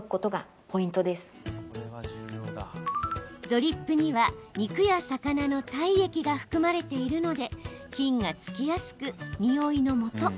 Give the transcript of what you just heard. ドリップには肉や魚の体液が含まれているので菌がつきやすく、においのもと。